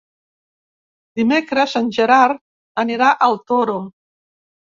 Dimecres en Gerard anirà al Toro.